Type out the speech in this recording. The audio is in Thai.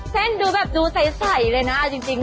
เส้นดูแบบดูใสเลยนะจริง